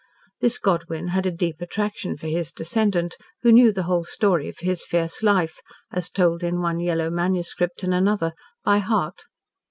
This Godwyn had a deep attraction for his descendant, who knew the whole story of his fierce life as told in one yellow manuscript and another by heart.